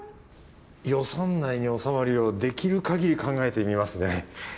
予算内に収まるようできるかぎり考えてみますね。